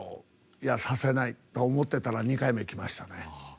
いや、させないと思っていたら２回目きましたね。